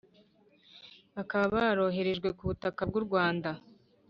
Bakaba baroherejwe ku butaka bw u rwanda